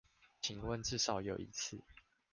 請問至少有一次